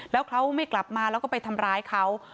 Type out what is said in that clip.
แล้วเขาไม่กลับมาแล้วก็ไปทำร้ายเขา